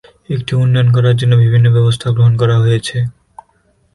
এটি উন্নয়ন করার জন্য বিভিন্ন ব্যবস্থা গ্রহণ করা হয়েছে।